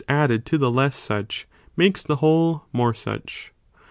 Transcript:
added to the less such, makes the whole more such.